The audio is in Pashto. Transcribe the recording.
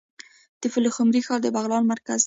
د پلخمري ښار د بغلان مرکز دی